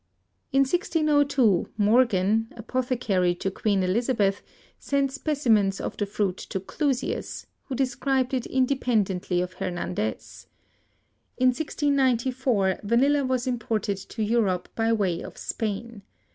In 1602, Morgan, apothecary to Queen Elizabeth, sent specimens of the fruit to Clusius, who described it independently of Hernandez. In 1694 vanilla was imported to Europe by way of Spain.